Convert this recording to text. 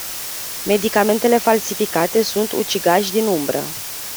Medicamentele falsificate sunt ucigași din umbră.